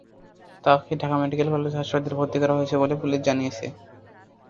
তাঁকে Dhaka medical college হাসপাতালে ভর্তি করা হয়েছে বলে পুলিশ জানিয়েছে।